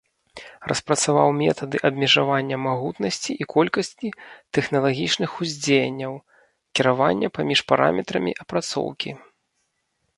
Распрацаваў метады абмежавання магутнасці і колькасці тэхналагічных уздзеянняў, кіравання паміж параметрамі апрацоўкі.